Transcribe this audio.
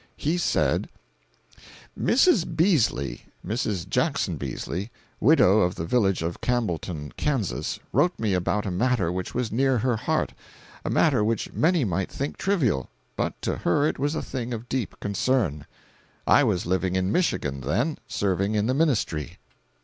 He said: "Mrs. Beazeley—Mrs. Jackson Beazeley, widow, of the village of Campbellton, Kansas,—wrote me about a matter which was near her heart—a matter which many might think trivial, but to her it was a thing of deep concern. I was living in Michigan, then—serving in the ministry.